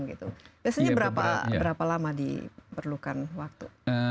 biasanya berapa lama diperlukan waktu